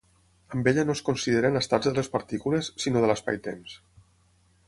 Amb ella no es consideren estats de les partícules, sinó de l'espai-temps.